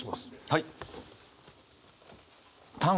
はい。